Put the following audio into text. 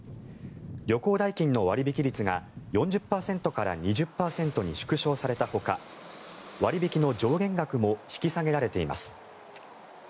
旅行代金の割引率が４０％から２０％に縮小されたほか、割引の上限額も引き下げられています。